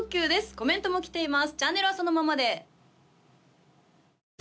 コメントも来ています